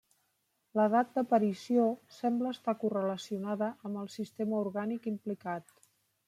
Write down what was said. L'edat d'aparició sembla estar correlacionada amb el sistema orgànic implicat.